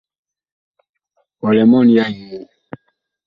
Ɔ lɛ mɔɔn ya yee ?